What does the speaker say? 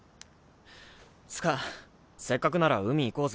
つかせっかくなら海行こうぜ。